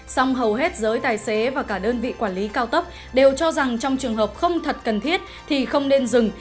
song hầu hết giới tài xế và cả đơn vị quản lý cao tốc đều cho rằng trong trường hợp không thật cần thiết thì không nên dừng